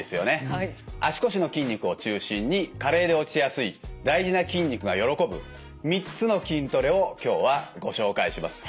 足腰の筋肉を中心に加齢で落ちやすい大事な筋肉が喜ぶ３つの筋トレを今日はご紹介します。